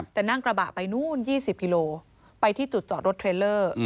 แต่นั่งกระบะไปนู่น๒๐กิโลไปที่จุดจอดรถเทรลเลอร์